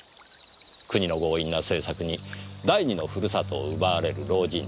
国の強引な政策に第二のふるさとを奪われる老人達。